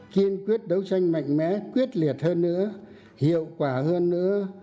kiên quyết đấu tranh mạnh mẽ quyết liệt hơn nữa hiệu quả hơn nữa